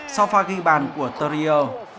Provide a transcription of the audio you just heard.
sau pha ghi bàn của torrio